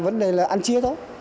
vấn đề là ăn chia thôi